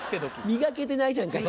磨けてないじゃんかよ